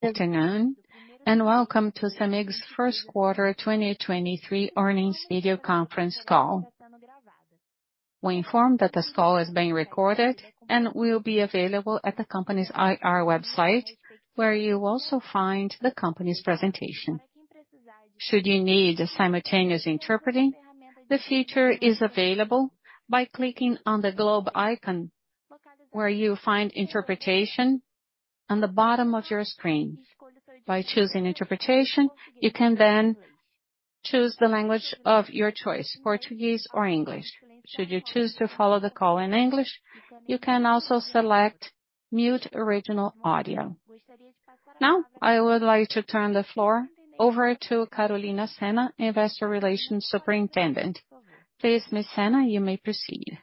Good afternoon, welcome to CEMIG's first quarter 2023 earnings video conference call. We inform that this call is being recorded and will be available at the company's IR website, where you'll also find the company's presentation. Should you need simultaneous interpreting, the feature is available by clicking on the globe icon where you'll find Interpretation on the bottom of your screen. By choosing Interpretation, you can then choose the language of your choice, Portuguese or English. Should you choose to follow the call in English, you can also select Mute Original Audio. Now, I would like to turn the floor over to Carolina Senna, Investor Relations Superintendent. Please, Ms. Senna, you may proceed.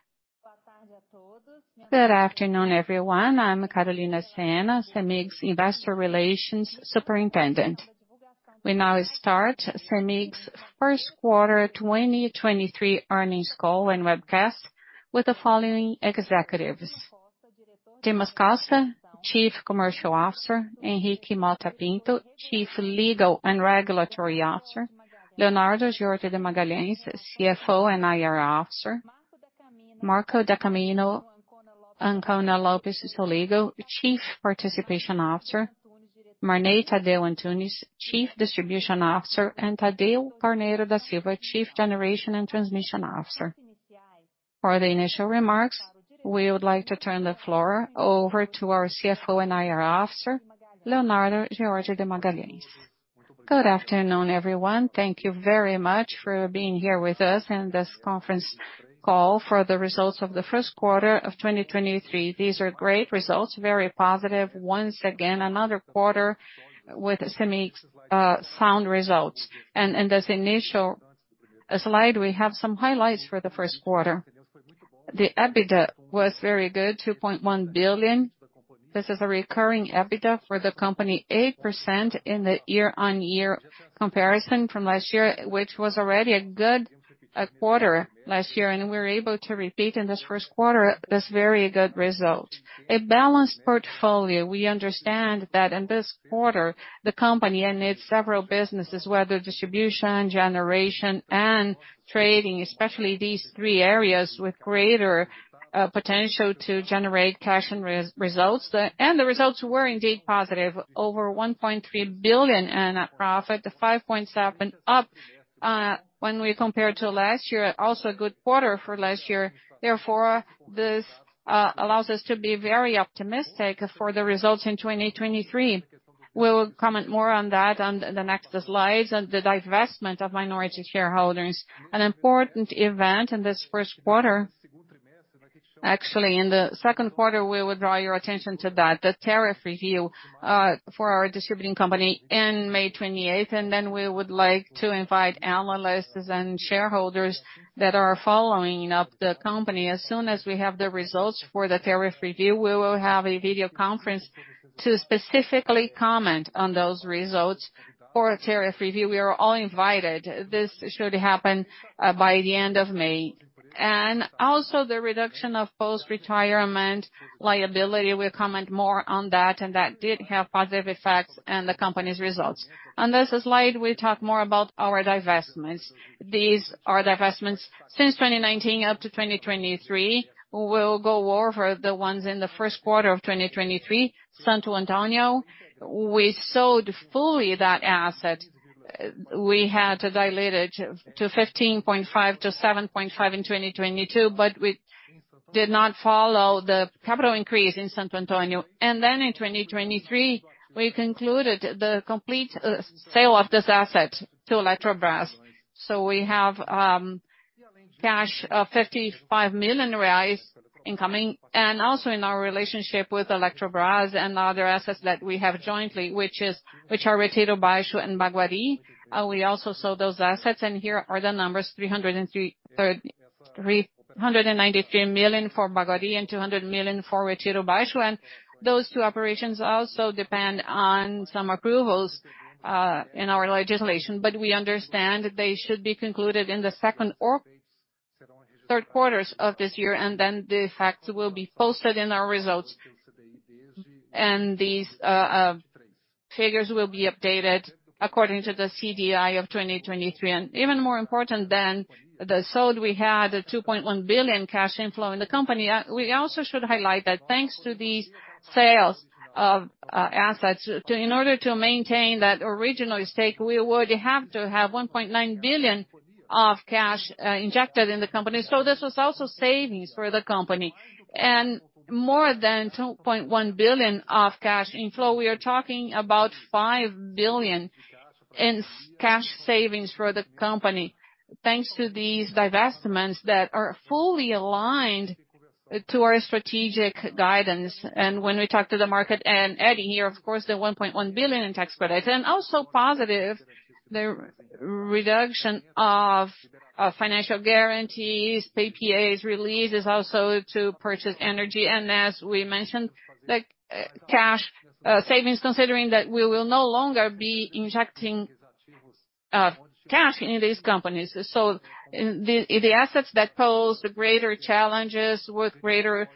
Good afternoon, everyone. I'm Carolina Senna, CEMIG's Investor Relations Superintendent.We now start CEMIG's first quarter 2023 earnings call and webcast with the following executives: Dimas Costa, Chief Commercial Officer; Henrique Motta Pinto, Chief Legal and Regulatory Officer; Leonardo George de Magalhães, CFO and IR Officer; Marco da Camino Ancona Lopez Soligo, Chief Participation Officer; Marney Tadeu Antunes, Chief Distribution Officer; and Thadeu Carneiro da Silva, Chief Generation and Transmission Officer. For the initial remarks, we would like to turn the floor over to our CFO and IR Officer, Leonardo George de Magalhães. Good afternoon, everyone. Thank you very much for being here with us in this conference call for the results of the first quarter of 2023. These are great results, very positive. Once again, another quarter with CEMIG's sound results. In this initial slide, we have some highlights for the first quarter. The EBITDA was very good, 2.1 billion. This is a recurring EBITDA for the company, 8% in the year-on-year comparison from last year, which was already a good quarter last year, and we're able to repeat in this first quarter this very good result. A balanced portfolio. We understand that in this quarter, the company and its several businesses, whether distribution, generation, and trading, especially these three areas with greater potential to generate cash and results. The results were indeed positive, over 1.3 billion in net profit. 5.7% up when we compare to last year. Also a good quarter for last year. This allows us to be very optimistic for the results in 2023. We will comment more on that on the next slides. The divestment of minority shareholders, an important event in this first quarter. Actually, in the second quarter, we will draw your attention to that, the tariff review, for our distributing company in May 28th. We would like to invite analysts and shareholders that are following up the company. As soon as we have the results for the tariff review, we will have a video conference to specifically comment on those results for tariff review. We are all invited. This should happen by the end of May. The reduction of post-retirement liability, we'll comment more on that, and that did have positive effects on the company's results. On this slide, we talk more about our divestments. These are divestments since 2019 up to 2023. We'll go over the ones in the first quarter of 2023. Santo Antônio, we sold fully that asset. We had diluted to 15.5 to 7.5 in 2022, but we did not follow the capital increase in Santo Antônio. In 2023, we concluded the complete sale of this asset to Eletrobras. We have cash of 55 million reais incoming. Also in our relationship with Eletrobras and other assets that we have jointly, which are Retiro Baixo and Baguari, we also sold those assets. Here are the numbers, 393 million for Baguari and 200 million for Retiro Baixo. Those two operations also depend on some approvals in our legislation. We understand they should be concluded in the second or third quarters of this year, and the effects will be posted in our results. These figures will be updated according to the CDI of 2023. Even more important than the sold, we had a 2.1 billion cash inflow in the company. We also should highlight that thanks to these sales of assets, in order to maintain that original stake, we would have to have 1.9 billion of cash injected in the company. This was also savings for the company. More than 2.1 billion of cash inflow, we are talking about 5 billion in cash savings for the company, thanks to these divestments that are fully aligned to our strategic guidance and when we talk to the market. Adding here, of course, the 1.1 billion in tax credit. Also positive, the reduction of financial guarantees, PPAs released is also to purchase energy. As we mentioned, like, cash savings considering that we will no longer be injecting cash into these companies. The assets that pose the greater challenges with greater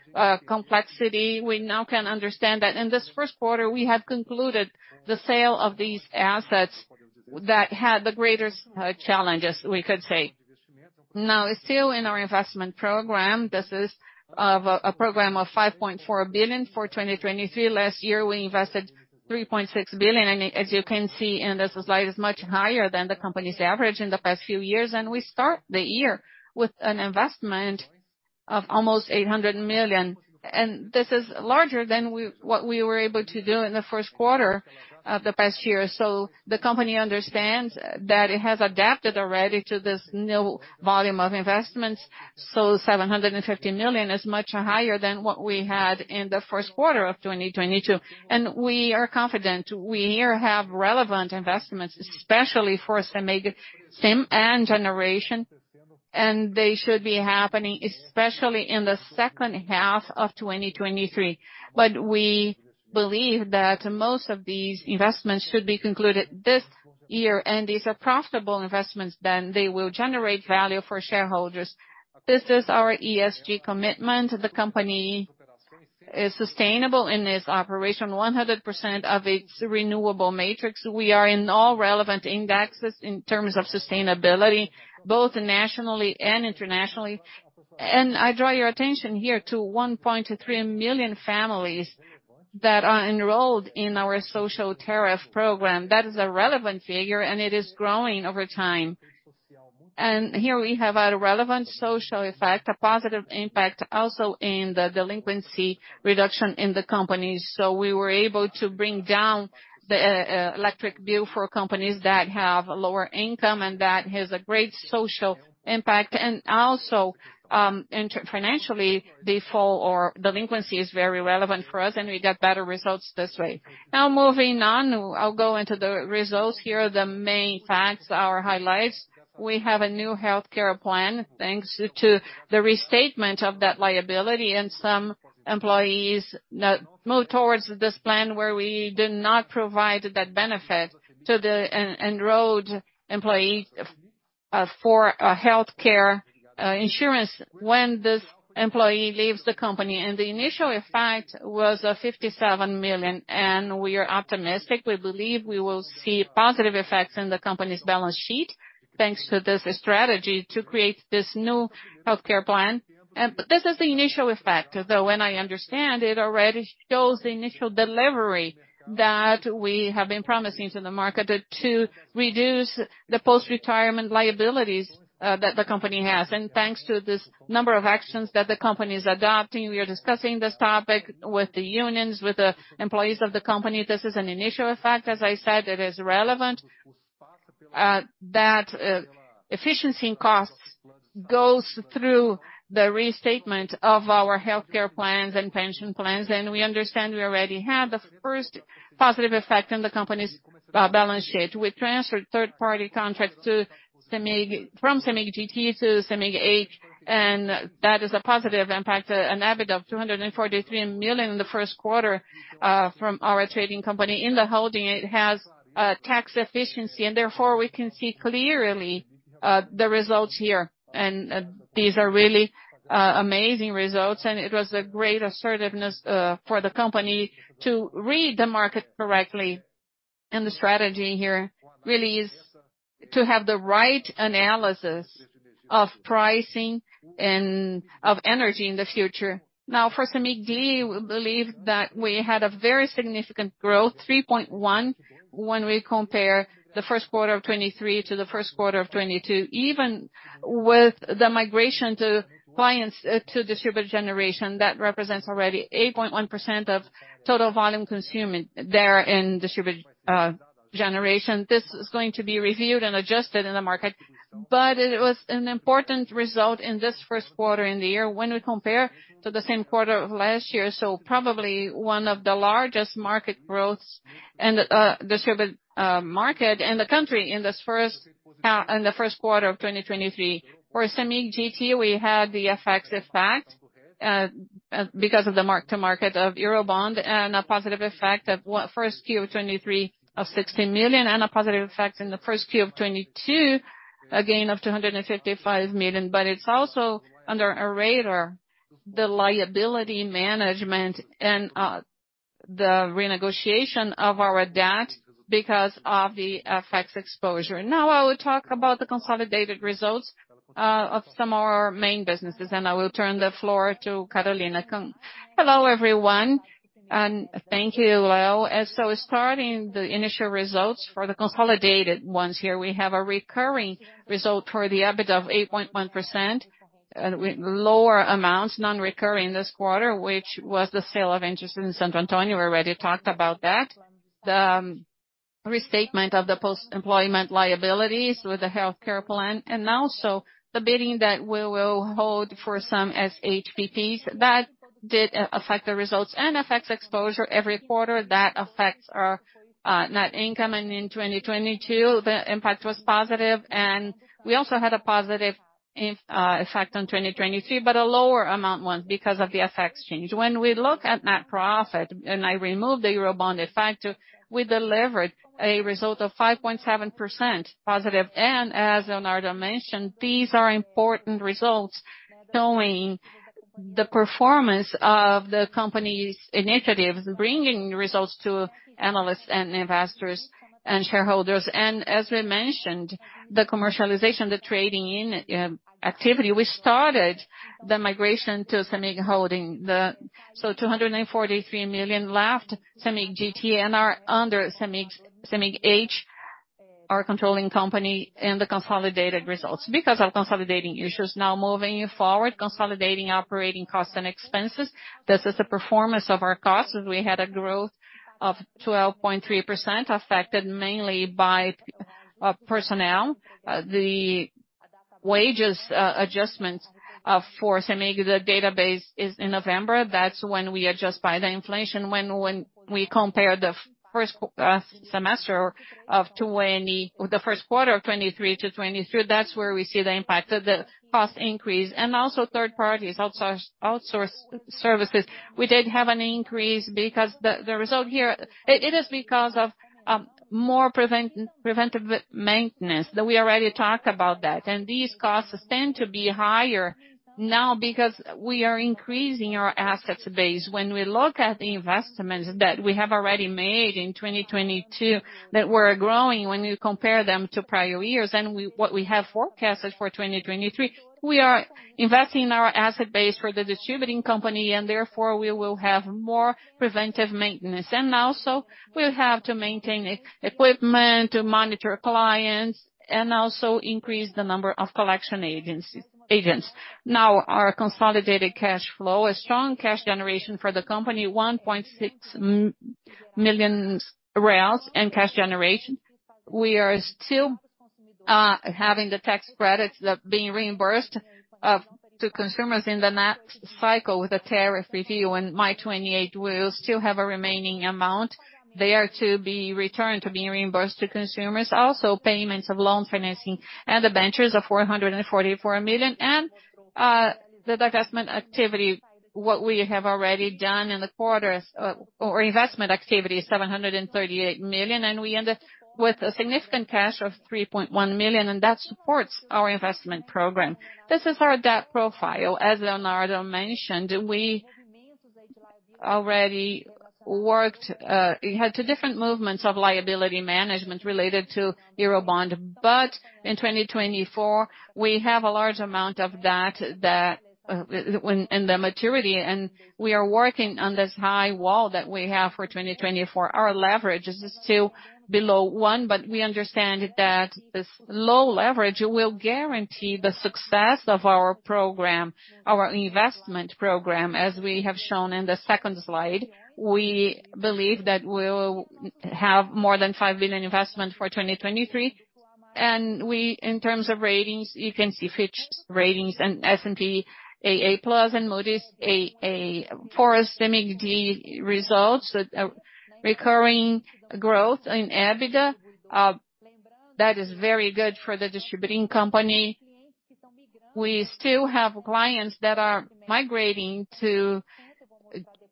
complexity, we now can understand that in this first quarter, we have concluded the sale of these assets that had the greatest challenges, we could say. Still in our investment program, this is of a program of 5.4 billion for 2023. Last year, we invested 3.6 billion. As you can see in this slide, it's much higher than the company's average in the past few years. We start the year with an investment of almost 800 million. This is larger than what we were able to do in the first quarter of the past year. The company understands that it has adapted already to this new volume of investments. R$750 million is much higher than what we had in the 1st quarter of 2022. We are confident we here have relevant investments, especially for CEMIG SIM and Generation, and they should be happening especially in the 2nd half of 2023. We believe that most of these investments should be concluded this year. These are profitable investments, then they will generate value for shareholders. This is our ESG commitment. The company is sustainable in its operation 100% of its renewable matrix. We are in all relevant indexes in terms of sustainability, both nationally and internationally. I draw your attention here to 1.3 million families that are enrolled in our social tariff program. That is a relevant figure. It is growing over time. Here we have a relevant social effect, a positive impact also in the delinquency reduction in the company. We were able to bring down the electric bill for companies that have lower income and that has a great social impact. Also, financially, default or delinquency is very relevant for us, and we get better results this way. Moving on. I'll go into the results. Here are the main facts, our highlights. We have a new healthcare plan thanks to the restatement of that liability and some employees that move towards this plan where we do not provide that benefit to the enrolled employee for a healthcare insurance when this employee leaves the company. The initial effect was 57 million, and we are optimistic. We believe we will see positive effects in the company's balance sheet, thanks to this strategy to create this new healthcare plan. This is the initial effect, though when I understand it already shows the initial delivery that we have been promising to the market to reduce the post-retirement liabilities that the company has. Thanks to this number of actions that the company is adopting, we are discussing this topic with the unions, with the employees of the company. This is an initial effect. As I said, it is relevant that efficiency in costs goes through the restatement of our healthcare plans and pension plans. We understand we already have the first positive effect on the company's balance sheet. We transferred third-party contracts from CEMIG GT to CEMIG H, that is a positive impact, an EBITDA of 243 million in the first quarter from our trading company. In the Holding, it has tax efficiency, and therefore we can see clearly the results here. These are really amazing results, and it was a great assertiveness for the company to read the market correctly. The strategy here really is to have the right analysis of pricing and of energy in the future. Now, for CEMIG G, we believe that we had a very significant growth, 3.1%, when we compare the first quarter of 2023 to the first quarter of 2022. Even with the migration to clients, to distribute generation, that represents already 8.1% of total volume consumed there in distribute generation. This is going to be reviewed and adjusted in the market. It was an important result in this first quarter in the year when we compare to the same quarter of last year. Probably one of the largest market growths and distribute market in the country in this first in the first quarter of 2023. For CEMIG GT, we had the effects of fact because of the mark-to-market of Eurobond and a positive effect of what 1st Q of 2023 of 60 million and a positive effect in the 1st Q of 2022, a gain of 255 million. It's also under a radar, the liability management and the renegotiation of our debt because of the FX exposure. Now I will talk about the consolidated results of some of our main businesses, and I will turn the floor to Carolina Senna. Hello, everyone, and thank you, Leo. Starting the initial results for the consolidated ones here, we have a recurring result for the EBITDA of 8.1%, with lower amounts, non-recurring this quarter, which was the sale of interest in Santo Antônio. We already talked about that. The restatement of the post-employment liabilities with the healthcare plan and also the bidding that we will hold for some SHPPs. That did affect the results and affects exposure every quarter. That affects our net income. In 2022, the impact was positive. We also had a positive in effect on 2023, but a lower amount one because of the FX change. When we look at net profit, I remove the Eurobond factor, we delivered a result of 5.7% positive. As Leonardo mentioned, these are important results showing the performance of the company's initiatives, bringing results to analysts and investors and shareholders. As we mentioned, the commercialization, the trading in activity, we started the migration to CEMIG Holding. So 243 million left CEMIG GT and are under CEMIG H, our controlling company, in the consolidated results because of consolidating issues. Moving forward, consolidating operating costs and expenses. This is the performance of our costs. We had a growth of 12.3%, affected mainly by personnel. The wages adjustment for CEMIG, the database is in November. That's when we adjust by the inflation. When we compare the first quarter of 2023 to 2022, that's where we see the impact of the cost increase. Also third parties, outsourced services. We did have an increase because the result here. It is because of more preventive maintenance that we already talked about that. These costs tend to be higher now because we are increasing our assets base. When we look at the investments that we have already made in 2022 that were growing when you compare them to prior years, what we have forecasted for 2023, we are investing in our asset base for the distributing company, and therefore, we will have more preventive maintenance. We'll have to maintain equipment to monitor clients, and also increase the number of collection agents. Our consolidated cash flow. A strong cash generation for the company, 1.6 million reais in cash generation. We are still having the tax credits being reimbursed to consumers in the next cycle with the tariff review. On May 28, we will still have a remaining amount. They are to be returned, to be reimbursed to consumers. Also, payments of loan financing and the ventures of 444 million. The divestment activity, what we have already done in the quarters, or investment activity, 738 million, and we end up with a significant cash of 3.1 million, and that supports our investment program. This is our debt profile. As Leonardo mentioned, we already worked, we had two different movements of liability management related to Eurobond. In 2024, we have a large amount of that in the maturity, and we are working on this high wall that we have for 2024. Our leverage is still below one, but we understand that this low leverage will guarantee the success of our program, our investment program. As we have shown in the second slide, we believe that we'll have more than 5 billion investment for 2023. We, in terms of ratings, you can see Fitch Ratings and S&P AA+ and Moody's AA for CEMIG's results, recurring growth in EBITDA. That is very good for the distributing company. We still have clients that are migrating to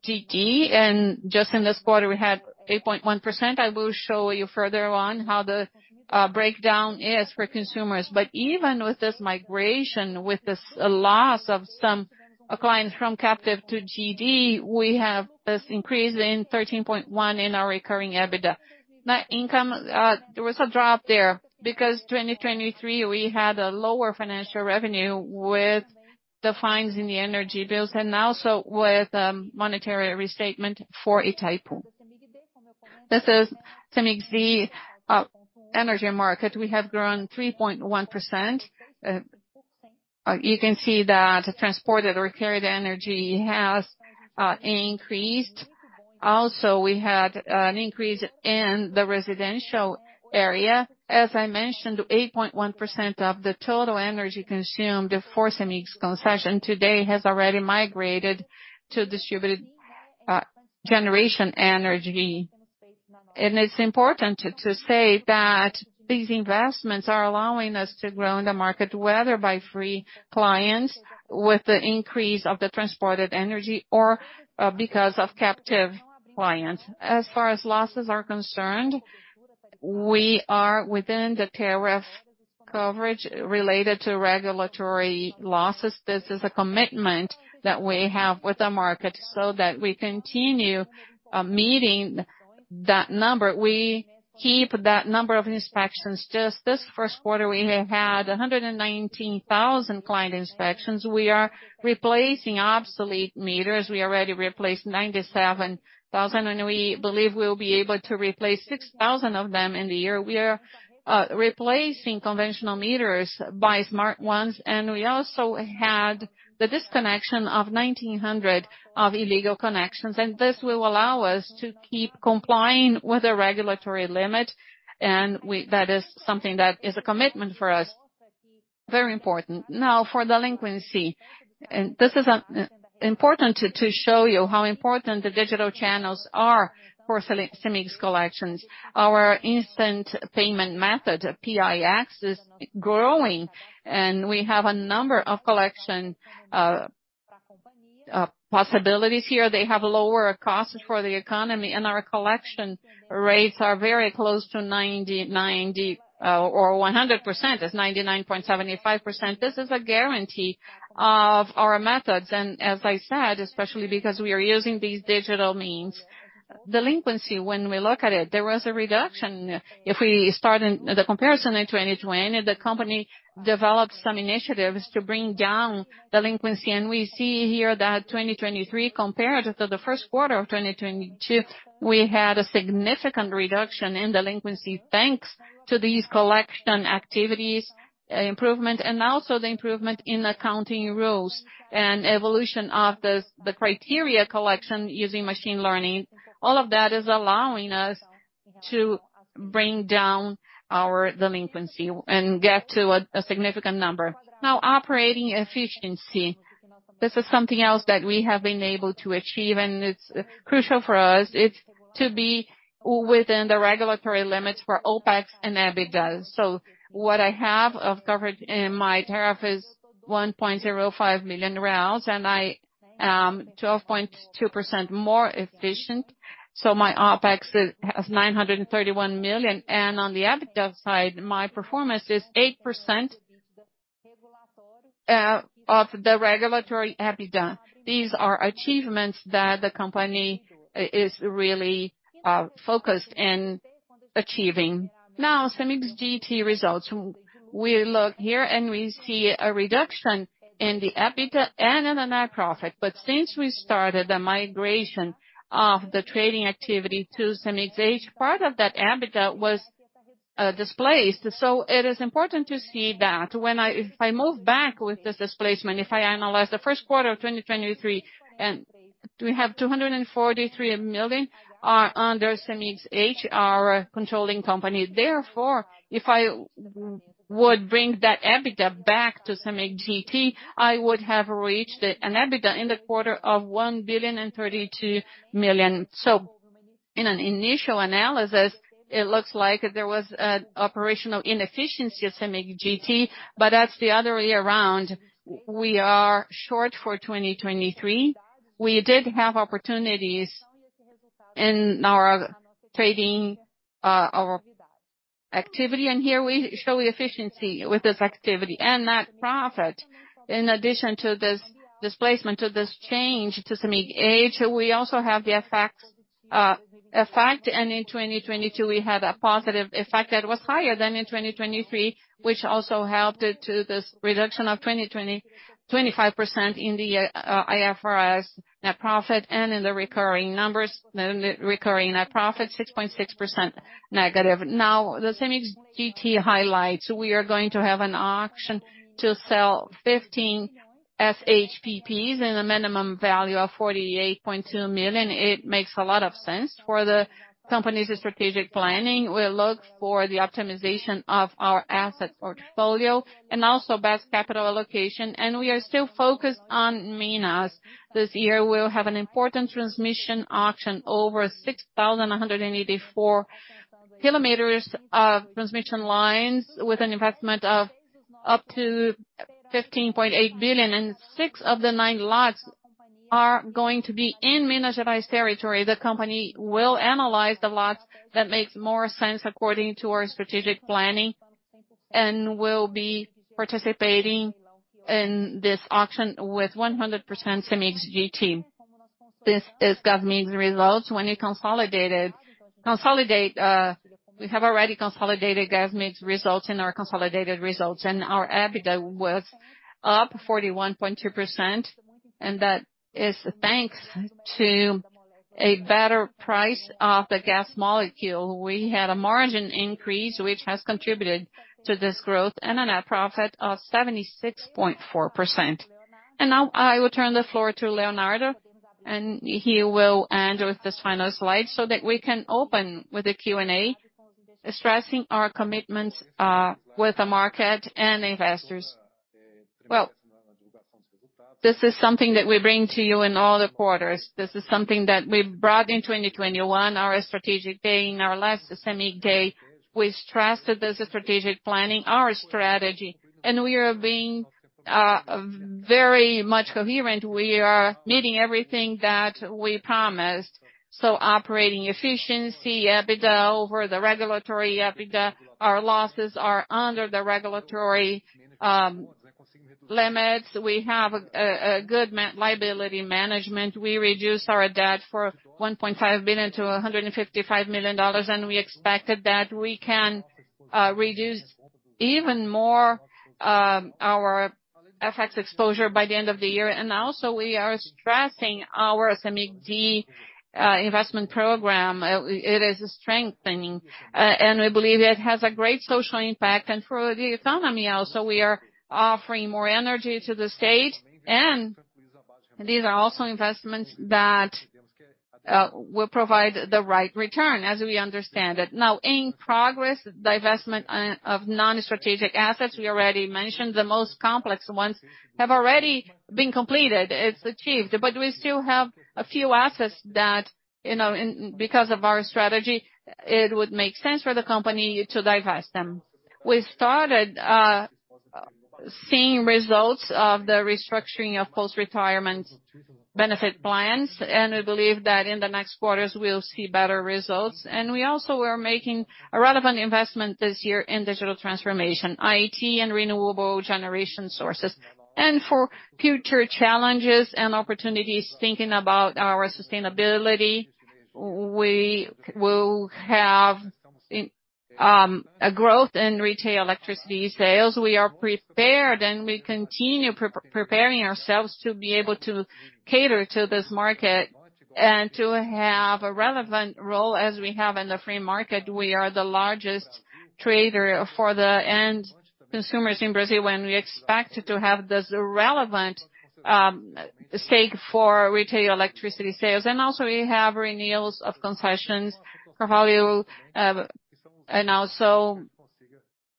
GD, and just in this quarter, we had 8.1%. I will show you further on how the breakdown is for consumers. Even with this migration, with this loss of some clients from captive to GD, we have this increase in 13.1 in our recurring EBITDA. Net income, there was a drop there because 2023, we had a lower financial revenue with the fines in the energy bills and also with monetary restatement for Itaipu. This is CEMIG's energy market. We have grown 3.1%. You can see that the transported or carried energy has increased. We had an increase in the residential area. As I mentioned, 8.1% of the total energy consumed for CEMIG's concession today has already migrated to distributed generation energy. It's important to say that these investments are allowing us to grow in the market, whether by free clients with the increase of the transported energy or because of captive clients. As far as losses are concerned, we are within the tariff coverage related to regulatory losses. This is a commitment that we have with the market so that we continue meeting that number. We keep that number of inspections. Just this first quarter, we have had 119,000 client inspections. We are replacing obsolete meters. We already replaced 97,000, and we believe we'll be able to replace 6,000 of them in the year. We are replacing conventional meters by smart ones, and we also had the disconnection of 1,900 of illegal connections. This will allow us to keep complying with the regulatory limit, that is something that is a commitment for us, very important. For delinquency, this is important to show you how important the digital channels are for CEMIG's collections. Our instant payment method, Pix, is growing, we have a number of collection possibilities here. They have lower costs for the economy, our collection rates are very close to 90% or 100%. It's 99.75%. This is a guarantee of our methods. As I said, especially because we are using these digital means. Delinquency, when we look at it, there was a reduction. If we start in the comparison in 2020, the company developed some initiatives to bring down delinquency. We see here that 2023 comparative to the first quarter of 2022, we had a significant reduction in delinquency, thanks to these collection activities improvement and also the improvement in accounting rules and evolution of the criteria collection using machine learning. All of that is allowing us to bring down our delinquency and get to a significant number. Operating efficiency. This is something else that we have been able to achieve, and it's crucial for us. It's to be within the regulatory limits for OpEx and EBITDA. What I have of coverage in my tariff is 1.05 million, and I am 12.2% more efficient. My OpEx has 931 million. On the EBITDA side, my performance is 8% of the regulatory EBITDA. These are achievements that the company is really focused in achieving. Now, CEMIG's GT results. We look here and we see a reduction in the EBITDA and in the net profit. Since we started the migration of the trading activity to CEMIG H, part of that EBITDA was displaced. It is important to see that. If I move back with this displacement, if I analyze the first quarter of 2023, we have BRL 243 million are under CEMIG H, our controlling company. Therefore, if I would bring that EBITDA back to CEMIG GT, I would have reached an EBITDA in the quarter of 1.032 billion. In an initial analysis, it looks like there was an operational inefficiency at CEMIG GT, that's the other way around. We are short for 2023. We did have opportunities in our trading, our activity, and here we show efficiency with this activity and net profit. In addition to this displacement, to this change to CEMIG H, we also have the effects, and in 2022, we had a positive effect that was higher than in 2023, which also helped it to this reduction of 20%-25% in the IFRS net profit and in the recurring numbers, recurring net profit, -6.6% negative. The CEMIG GT highlights. We are going to have an auction to sell 15 SHPPs in a minimum value of 48.2 million. It makes a lot of sense for the company's strategic planning. We look for the optimization of our asset portfolio and also best capital allocation, and we are still focused on Minas. This year, we'll have an important transmission auction over 6,184 kilometers of transmission lines with an investment of up to 15.8 billion. Six of the 9 lots are going to be in Minas Gerais territory. The company will analyze the lots that makes more sense according to our strategic planning and will be participating in this auction with 100% CEMIG GT. This is Gasmig's results. When you consolidated, we have already consolidated Gasmig's results in our consolidated results. Our EBITDA was up 41.2%, and that is thanks to a better price of the gas molecule. We had a margin increase, which has contributed to this growth and a net profit of 76.4%. Now I will turn the floor to Leonardo, and he will end with this final slide so that we can open with the Q&A, stressing our commitments with the market and investors. This is something that we bring to you in all the quarters. This is something that we brought in 2021, our strategic day. In our last CEMIG Day, we stressed this strategic planning, our strategy, and we are being very much coherent. We are meeting everything that we promised. Operating efficiency, EBITDA over the regulatory EBITDA, our losses are under the regulatory limits. We have a good liability management. We reduced our debt for $1.5 billion to $155 million, and we expected that we can reduce even more our FX exposure by the end of the year. We are stressing our CEMIG G investment program. It is strengthening, and we believe it has a great social impact. For the economy also, we are offering more energy to the state. These are also investments that will provide the right return, as we understand it. Now, in progress, divestment of non-strategic assets, we already mentioned the most complex ones have already been completed. It's achieved. We still have a few assets that, you know, because of our strategy. It would make sense for the company to divest them. We started seeing results of the restructuring of post-retirement benefit plans, and we believe that in the next quarters we'll see better results. We also are making a relevant investment this year in digital transformation, IT and renewable generation sources. For future challenges and opportunities, thinking about our sustainability, we will have a growth in retail electricity sales. We are prepared, and we continue pre-preparing ourselves to be able to cater to this market and to have a relevant role as we have in the free market. We are the largest trader for the end consumers in Brazil, and we expect to have this relevant stake for retail electricity sales. Also, we have renewals of concessions for value, and also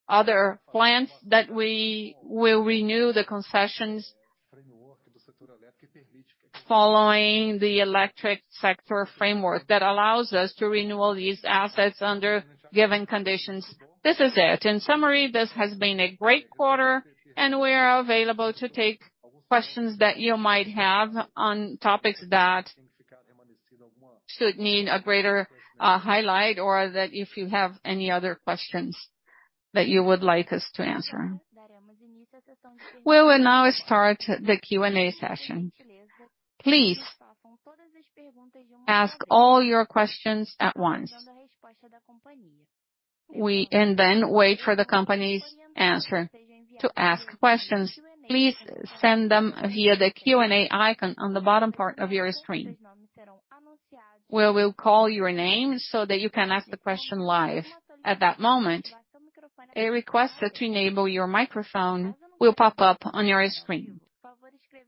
other plans that we will renew the concessions following the electric sector framework that allows us to renew all these assets under given conditions. This is it. In summary, this has been a great quarter, and we are available to take questions that you might have on topics that should need a greater highlight, or that if you have any other questions that you would like us to answer. We will now start the Q&A session. Please ask all your questions at once. Then wait for the company's answer. To ask questions, please send them via the Q&A icon on the bottom part of your screen. We will call your name so that you can ask the question live. At that moment, a request to enable your microphone will pop up on your screen.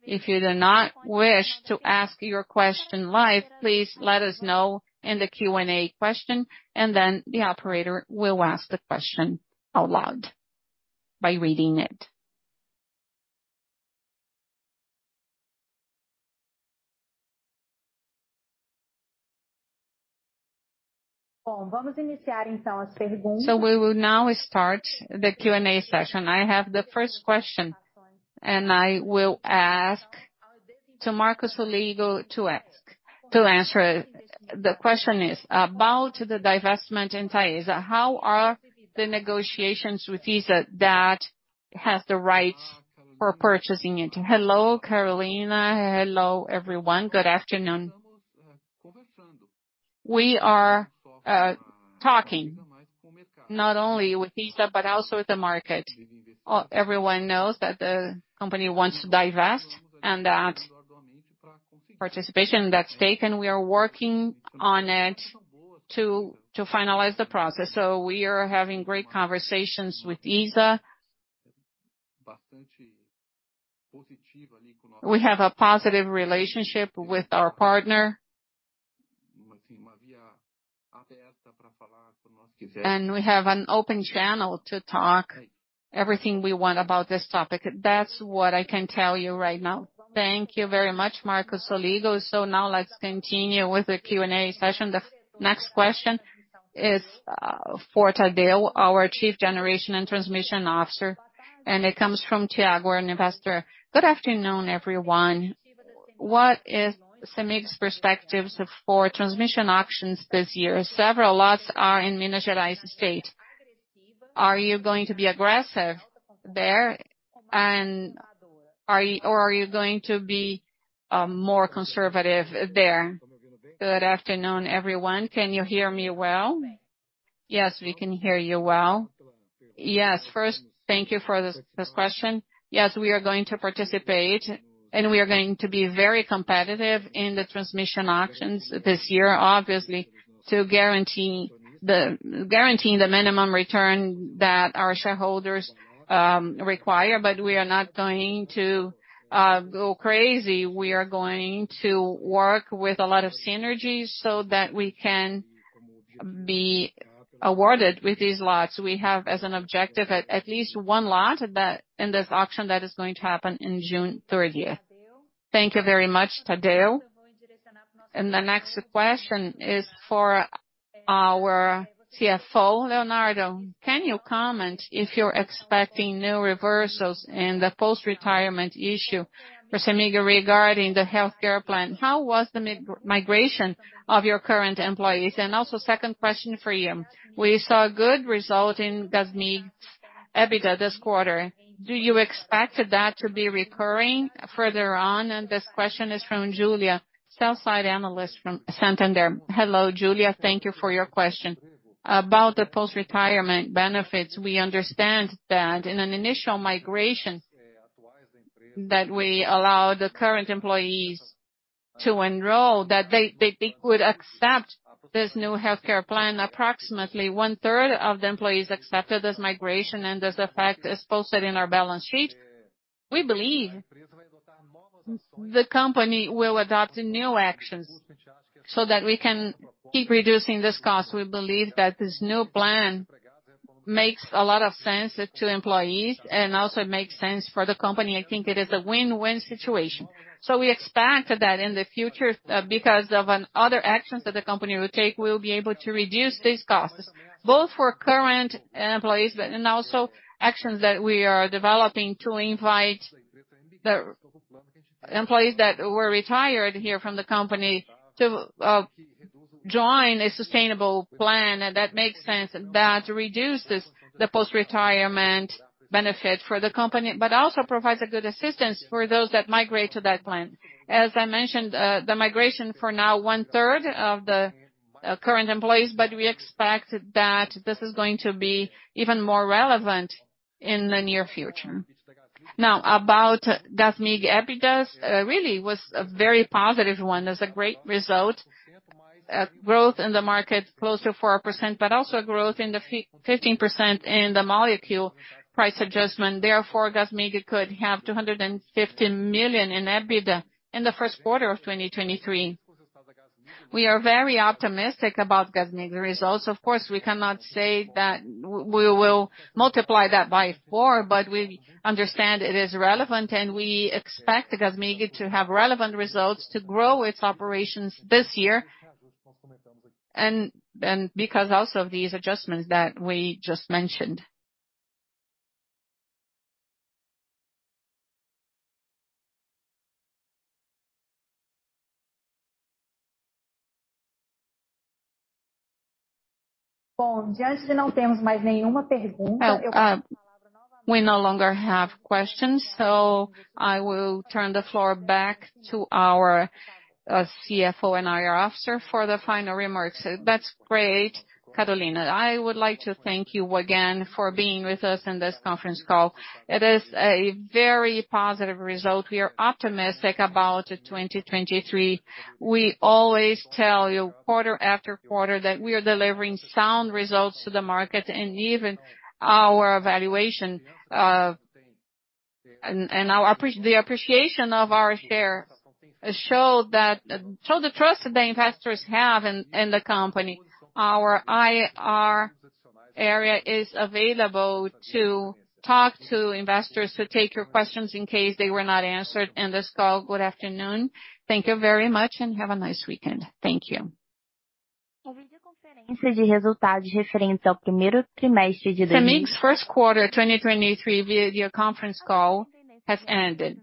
If you do not wish to ask your question live, please let us know in the Q&A question, and then the operator will ask the question out loud by reading it. We will now start the Q&A session. I have the first question, and I will ask to Marco Soligo To answer it. The question is about the divestment in TAESA. How are the negotiations with ISA that has the right for purchasing it? Hello, Carolina. Hello, everyone. Good afternoon. We are talking not only with ISA, but also with the market. Everyone knows that the company wants to divest and that participation in that stake, and we are working on it to finalize the process. We are having great conversations with ISA. We have a positive relationship with our partner. We have an open channel to talk everything we want about this topic. That's what I can tell you right now. Thank you very much, Marco Soligo. Now let's continue with the Q&A session. The next question is for Tadeu, our Chief Generation and Transmission Officer. It comes from Thiago, an investor. Good afternoon, everyone. What is CEMIG's perspectives for transmission auctions this year? Several lots are in Minas Gerais state. Are you going to be aggressive there? Are you going to be more conservative there? Good afternoon, everyone. Can you hear me well? Yes, we can hear you well. Yes. First, thank you for this question. Yes, we are going to participate. We are going to be very competitive in the transmission auctions this year, obviously, guaranteeing the minimum return that our shareholders require. We are not going to go crazy. We are going to work with a lot of synergies so that we can be awarded with these lots. We have as an objective at least one lot that in this auction that is going to happen in June third year. Thank you very much, Tadeu. The next question is for our CFO, Leonardo. Can you comment if you're expecting new reversals in the post-retirement issue for CEMIG regarding the healthcare plan? How was the migration of your current employees? Also second question for you. We saw a good result in CEMIG's EBITDA this quarter. Do you expect that to be recurring further on? This question is from Julia, sell side analyst from Santander. Hello, Julia. Thank you for your question. About the post-retirement benefits, we understand that in an initial migration that we allow the current employees to enroll, that they could accept this new healthcare plan. Approximately one-third of the employees accepted this migration, and this effect is posted in our balance sheet. We believe the company will adopt new actions so that we can keep reducing this cost. We believe that this new plan makes a lot of sense to employees and also makes sense for the company. I think it is a win-win situation. We expect that in the future, because of another actions that the company will take, we'll be able to reduce these costs, both for current employees, and also actions that we are developing to invite the employees that were retired here from the company to join a sustainable plan that makes sense, that reduces the post-retirement benefit for the company, but also provides a good assistance for those that migrate to that plan. As I mentioned, the migration for now one-third of the current employees, but we expect that this is going to be even more relevant in the near future. About Gasmig EBITDA, really was a very positive one. It's a great result. Growth in the market close to 4%, but also a growth in the 15% in the molecule price adjustment. Gasmig could have 250 million in EBITDA in the 1st quarter of 2023. We are very optimistic about Gasmig results. Of course, we cannot say that we will multiply that by four, but we understand it is relevant, and we expect Gasmig to have relevant results to grow its operations this year and because also of these adjustments that we just mentioned. Well, we no longer have questions. I will turn the floor back to our CFO and IR Officer for the final remarks. That's great, Carolina. I would like to thank you again for being with us in this conference call. It is a very positive result. We are optimistic about 2023. We always tell you quarter after quarter that we are delivering sound results to the market and even our evaluation, the appreciation of our share show the trust the investors have in the company. Our IR area is available to talk to investors, to take your questions in case they were not answered in this call. Good afternoon. Thank you very much, have a nice weekend. Thank you. Gasmig's first quarter 2023 video conference call has ended.